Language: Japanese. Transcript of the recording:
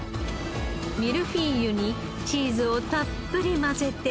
ミルフィーユにチーズをたっぷり混ぜて